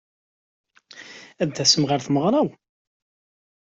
Ad tasem ɣer tmeɣṛa-w?